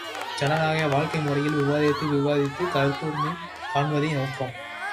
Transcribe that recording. ஜனநாயக வாழ்க்கை முறையில் விவாதித்து விவாதித்துக் கருத்தொருமை காண்பதே நோக்கம்.